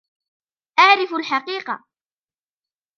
أعرف الحقيقة.